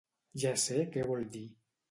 —Ja sé què vol dir.